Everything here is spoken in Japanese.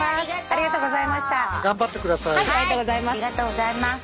ありがとうございます。